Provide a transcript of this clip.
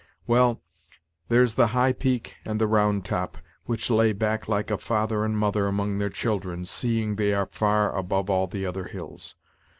Well, there's the High peak and the Round top, which lay back like a father and mother among their children, seeing they are far above all the other hills.